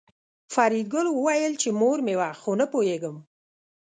فریدګل وویل چې مور مې وه خو نه پوهېږم